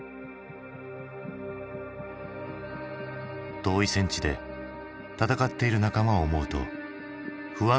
遠い戦地で戦っている仲間を思うと不安といえば不安。